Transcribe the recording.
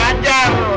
sampai kurang lagi